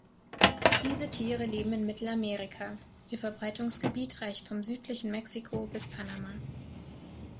Diese Tiere leben in Mittelamerika, ihr Verbreitungsgebiet reicht vom südlichen Mexiko bis Panama.